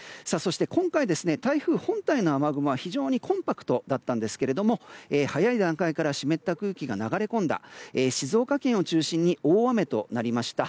今回は台風本体の雨雲は非常にコンパクトだったんですが早い段階から湿った空気が流れ込んだ静岡県を中心に大雨となりました。